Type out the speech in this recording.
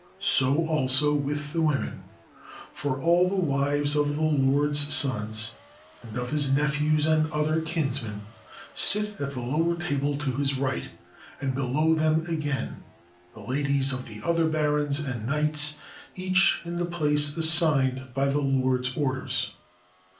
So also with the women; for all the wives of the lord's sons and of his nephews and other kinsmen sit at the lower table to his'right; and below them again the ladies of the other barons and knights, each in the place assigned by the lord's orders.